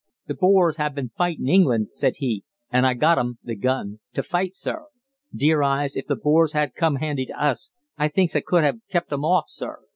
"Th' Boers ha' been fightin' England," said he, "an' I got un [the gun] t' fight, sir. Dear eyes! if th' Boers ha' come handy t' us, I thinks I could ha' kept un off, sir.